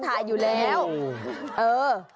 ถ่ายรูปบอก